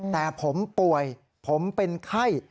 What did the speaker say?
แต่ผมป่วยผมเป็นไข้